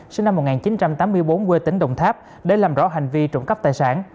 sinh năm một nghìn chín trăm tám mươi bốn quê tỉnh đồng tháp để làm rõ hành vi trộm cắp tài sản